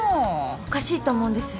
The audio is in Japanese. おかしいと思うんです。